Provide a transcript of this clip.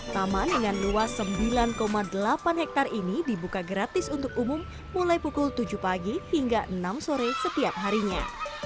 taman dengan luas sembilan delapan hektare ini dibuka gratis untuk umum mulai pukul tujuh pagi hingga enam sore setiap harinya